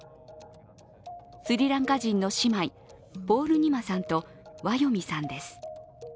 スリランカ人の姉妹、ポールニマさんとワヨミさんです。